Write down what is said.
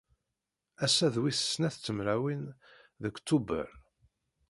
Ass-a d wis snat temrawin deg Tuber.